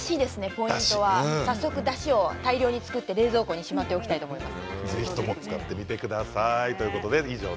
ポイントは早速、だしを大量に作って冷蔵庫にしまっておきたいと思います。